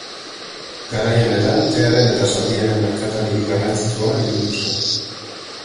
Garai honetan tearen eta zaldiaren merkatal hiri garrantzitsua bihurtu zen.